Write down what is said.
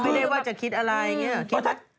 เรียกว่าจะคิดอะไรอย่างนี้